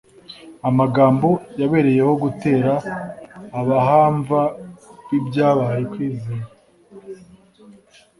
amagambo yabereyeho gutera abahamva b'ibyabaye kwizera,